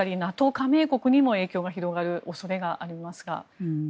加盟国にも影響が広がる恐れがありますが。